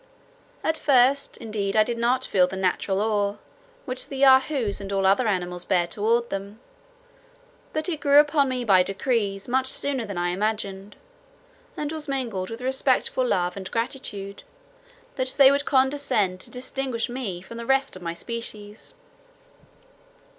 At first, indeed, I did not feel that natural awe, which the Yahoos and all other animals bear toward them; but it grew upon me by degrees, much sooner than I imagined, and was mingled with a respectful love and gratitude, that they would condescend to distinguish me from the rest of my species.